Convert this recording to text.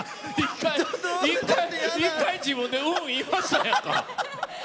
１回、自分で「うん」言いましたやんか。